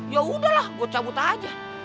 ya udahlah buat cabut aja